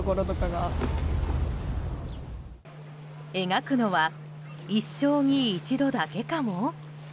描くのは一生に一度だけかも？